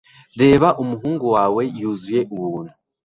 Reba umuhungu wawe yuzuye ubuntu